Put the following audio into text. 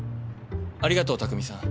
ありがとう匠さん。